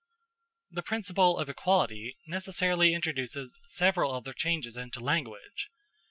The principle of equality necessarily introduces several other changes into language.